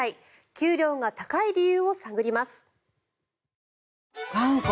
給料が高い理由を探ります。